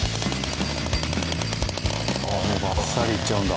もうバッサリいっちゃうんだ。